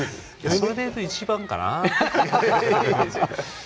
それで言うと１番かな。